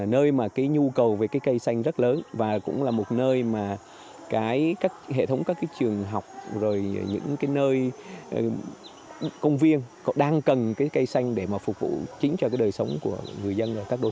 nơi mà cái nhu cầu về cái cây xanh rất lớn và cũng là một nơi mà các hệ thống các cái trường học rồi những cái nơi công viên họ đang cần cái cây xanh để mà phục vụ chính cho cái đời sống của người dân ở các đô thị